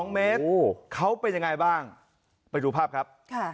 ๒เมตรเขาเป็นยังไงบ้างไปดูภาพครับ